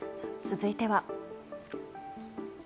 続いては。